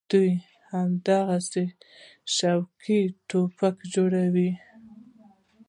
دوى هماغسې شوقي ټوپکې جوړوي.